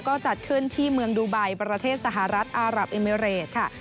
ก็จัดขึ้นที่เมืองดูไบประเทศสหรัฐอารับเอมิเรตค่ะ